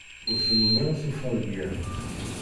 Ur tennum ara tuffɣa deg iḍ.